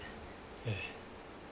ええ。